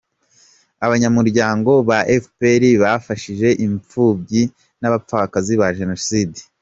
Abanyamuryango ba efuperi bafashije imfubyi n’abapfakazi ba jenoside